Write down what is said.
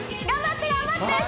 頑張って！